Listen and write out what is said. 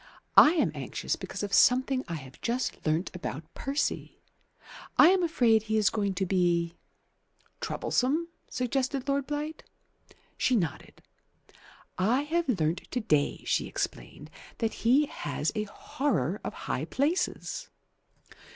I am anxious because of something I have just learnt about Percy. I am afraid he is going to be " "Troublesome?" suggested Lord Blight. She nodded. "I have learnt to day," she explained, "that he has a horror of high places."